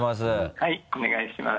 はいお願いします。